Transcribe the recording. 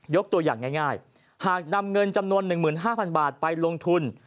ตัวอย่างง่ายหากนำเงินจำนวน๑๕๐๐๐บาทไปลงทุน